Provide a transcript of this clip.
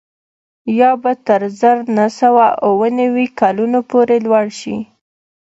یا به تر زر نه سوه اووه نوي کلونو پورې لوړ شي